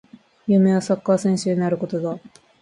夢はサッカー選手になることだ